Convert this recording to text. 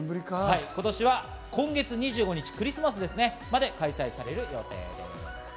今年は今月２５日、クリスマスまで開催される予定です。